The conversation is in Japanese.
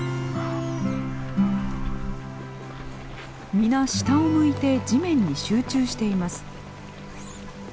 皆下を向いて地面に集中しています。